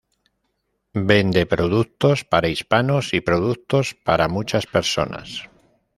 Vende productos para hispanos y productos para muchos personas.